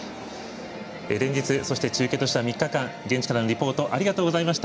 連日、そして中継としては３日間現地からのリポートありがとうございました。